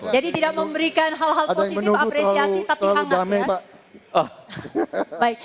jadi tidak memberikan hal hal positif apresiasi tapi hangat